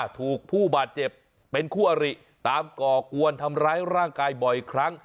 ถูกผู้บาดเจ็บเป็นคู่อริตามก่อกวนทำร้ายร่างกายบ่อยครั้ง